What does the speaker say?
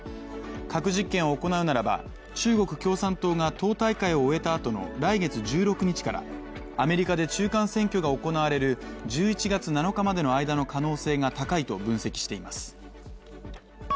核実験を行うならば、中国共産党が党大会を終えたあとの来月１６日からアメリカで中間選挙が行われる１１月７日までの間の可能性が高いと分析しています。